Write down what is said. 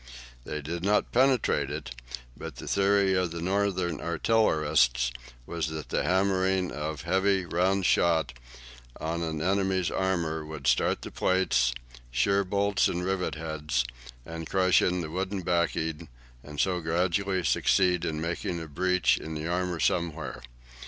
They did not penetrate it, but the theory of the Northern artillerists was that the hammering of heavy round shot on an enemy's armour would start the plates, shear bolt and rivet heads, and crush in the wooden backing, and so gradually succeed in making a breach in the armour somewhere.